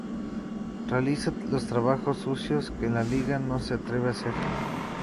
Realiza los trabajos sucios que la liga no se atreve a hacer.